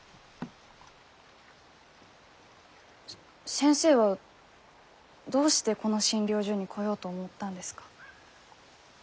先生はどうしてこの診療所に来ようと思ったんですか？